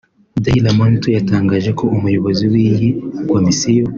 Daily Monitor yatangaje ko Umuyobozi w’iyi komisiyo